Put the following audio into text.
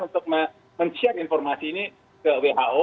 untuk men share informasi ini ke who